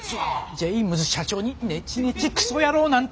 ジェームズ社長にネチネチクソ野郎なんて！